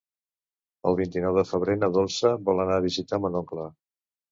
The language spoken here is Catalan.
El vint-i-nou de febrer na Dolça vol anar a visitar mon oncle.